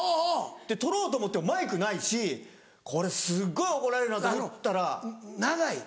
取ろうと思ってもマイクないしこれすごい怒られるなと思ったら。